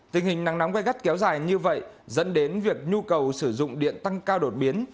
tình hình nắng nóng gây gắt kéo dài như vậy dẫn đến việc nhu cầu sử dụng điện tăng cao đột biến